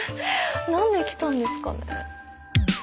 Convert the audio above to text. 何で来たんですかね？